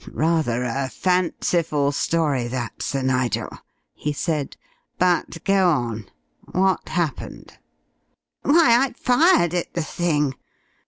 "Rather a fanciful story that, Sir Nigel," he said, "but go on. What happened?" "Why, I fired at the thing.